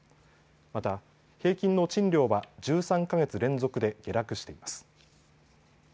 また、平均の賃料は１３か月連続で下落しています。